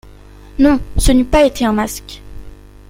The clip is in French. «Non, ce n’eût pas été un masque.